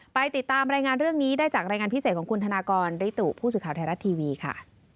ไปติดตามรายงานเรื่องนี้ได้จากรายงานพิเศษของคุณธนากรริตุผู้สื่อข่าวไทยรัฐทีวีค่ะ